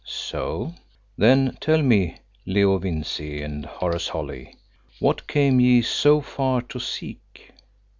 "So. Then tell me, Leo Vincey and Horace Holly, what came ye so far to seek?"